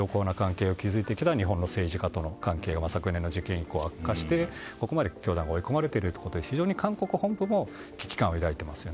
そんな中でこれまで良好な関係を築いてきた日本の政治家との関係が昨年の事件以降、悪化してここまで教団が追い込まれているということで非常に韓国本部も危機感を抱いています。